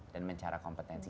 dan mencari kompetensi